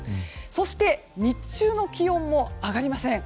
そして日中の気温も上がりません。